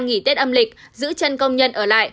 nghỉ tết âm lịch giữ chân công nhân ở lại